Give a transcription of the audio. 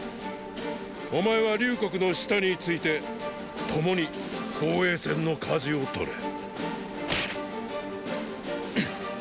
お前は隆国の下について共に防衛戦の舵を取れ。